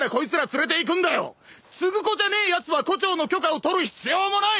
継子じゃねえやつは胡蝶の許可を取る必要もない！